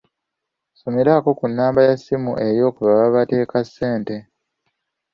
Nsomerako ku nnamba y'essimu yo kwe baba bateeka ssente.